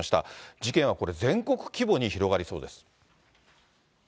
事件はこれ、全国規模に広がりそうです。